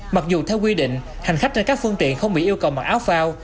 mặc dù theo quy định hành khách trên các phương tiện không bị yêu cầu mặc áo phao